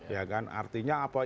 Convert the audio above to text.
ya kan artinya apa